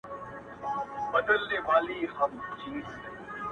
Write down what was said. له دې سببه دی چي شپه ستایمه،